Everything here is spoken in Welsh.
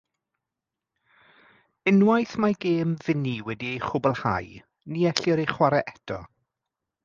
Unwaith mae gêm fini wedi ei chwblhau ni ellir ei chwarae eto.